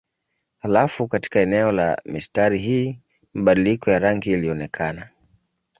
Halafu katika eneo la mistari hii mabadiliko ya rangi ilionekana.